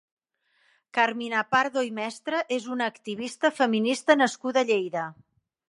Carmina Pardo i Mestre és una activista feminista nascuda a Lleida.